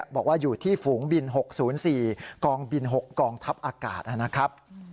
บอกว่าอยู่ที่ฝูงบิน๖๐๔กองบิน๖กองทัพอากาศนะครับ